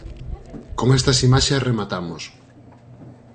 Con estas imaxes rematamos.